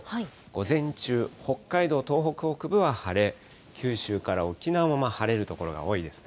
午前中、北海道、東北北部は晴れ、九州から沖縄も晴れる所が多いです。